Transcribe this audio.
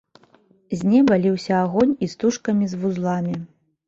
З неба ліўся агонь істужкамі з вузламі.